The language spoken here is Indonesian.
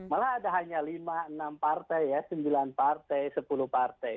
malah ada hanya lima enam partai ya sembilan partai sepuluh partai